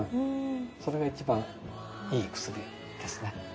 それがいちばんいい薬ですね。